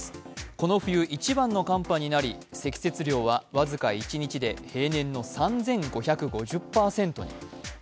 この冬一番の寒波になり積雪量は僅か一日で平年の３５５０％に。